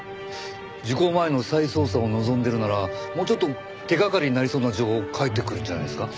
時効前の再捜査を望んでるならもうちょっと手掛かりになりそうな情報を書いてくるんじゃないですか？